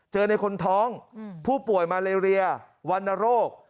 ในคนท้องผู้ป่วยมาเลเรียวรรณโรค